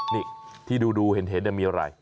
นี่ที่ดูเห็นมีอะไร